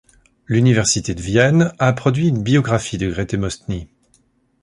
L'Université de Vienne a produit une biographie de Grete Mostny.